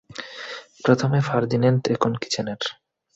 প্রথমে ফার্দিন্যান্দ, এখন কিচ্যানার!